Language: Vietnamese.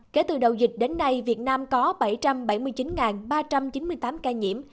kể từ đầu dịch đến nay việt nam có bảy trăm bảy mươi chín ba trăm chín mươi tám ca nhiễm